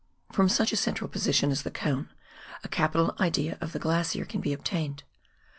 From such a central position as the Cone a capital idea of the glacier can be obtained.